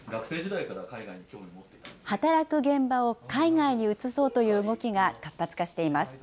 働く現場を海外に移そうという動きが活発化しています。